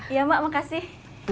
iya emak makasih